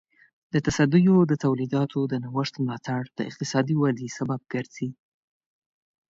د تصدیو د تولیداتو د نوښت ملاتړ د اقتصادي ودې سبب ګرځي.